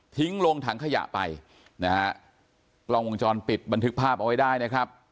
ลงถังขยะไปนะฮะกล้องวงจรปิดบันทึกภาพเอาไว้ได้นะครับ